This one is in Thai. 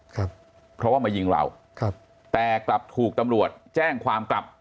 ครับเพราะว่ามายิงเราครับแต่กลับถูกตำรวจแจ้งความกลับ